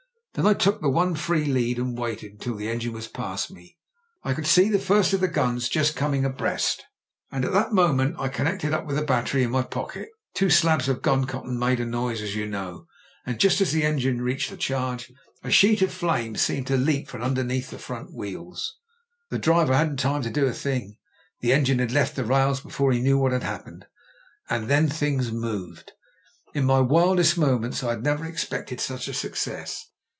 Then I took the one free lead and waited until the engine was past me. I could see the first of the gtins, just coming abreast, and at that moment I connected up with the battery in my pocket. Two slabs of gun cotton make a noise, as you know, and just as the engine reached the charge, a sheet of flame seemed to leap from underneath the front wheels. The driver hadn't time to do a thing — ^the engine had left the rails before he knew what had happened. And then things moved. In my wildest moments I had never expected such a success.